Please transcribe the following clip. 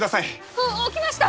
あっ起きました！